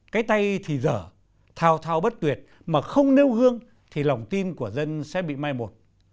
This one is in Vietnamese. cái tay thì dở thao thao bất tuyệt mà không nêu gương thì lòng tin của dân sẽ bị mai một